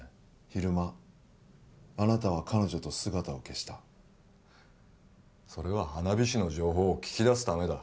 昼間あなたは彼女と姿を消したそれは花火師の情報を聞き出すためだ